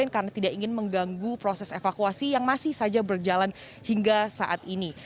karena tidak ingin mengganggu proses evakuasi yang masih saja berjalan hingga saat ini